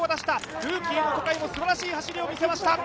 ルーキーの小海もすばらしい走りを見せました。